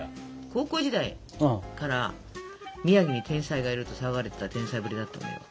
高校時代から宮城に天才がいると騒がれてた天才ぶりだったんだよ。